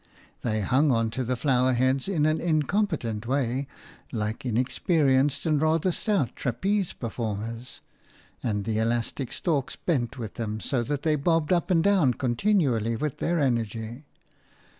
They hung on to the flower heads in an incompetent way, like inexperienced and rather stout trapeze performers, and the elastic stalks bent with them so that they bobbed up and down continually with their energy.